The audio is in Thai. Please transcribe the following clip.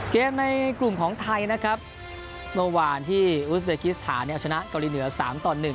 ในกลุ่มของไทยนะครับเมื่อวานที่อุสเบกิสถานเอาชนะเกาหลีเหนือ๓ต่อ๑